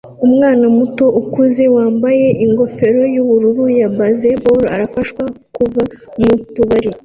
Umwana muto ukuze wambaye ingofero yubururu ya baseball arafashwa kuva mu tubari